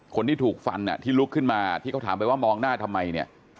คนที่ถูกฟันที่ลุกขึ้นมาที่เขาถามไปว่ามองหน้าทำไมเนี่ย